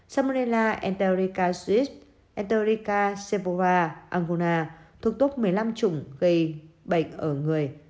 salmonella enterica swiss enterica sephora anguna thuộc tốp một mươi năm trùng gây bệnh ở người